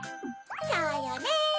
そうよね！